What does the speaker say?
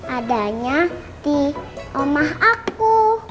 adanya di omah aku